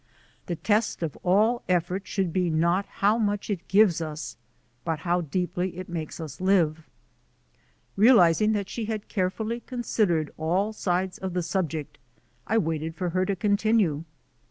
The test of all effort should be not how much it gives us, but how deeply it makes us live." DEVELOPMENT OF A WOMAN GUIDE 267 Realizing that she had carefully considered all sides of the subject, I waited for her to continue.